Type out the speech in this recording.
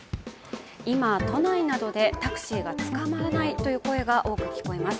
今、都内などでタクシーがつかまらないという声が多く聞かれます。